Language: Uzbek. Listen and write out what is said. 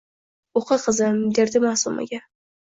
— Oʼqi, qizim! — derdi Maʼsumaga.